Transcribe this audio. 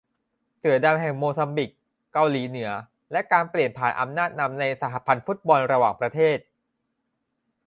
เสือดำแห่งโมซัมบิค เกาหลีเหนือ และการเปลี่ยนผ่านอำนาจนำในสหพันธ์ฟุตบอลระหว่างประเทศ